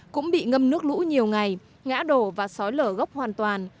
cũng bị ngâm nước lũ nhiều ngày ngã đổ và sói lở gốc hoàn toàn